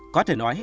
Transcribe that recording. có thể nói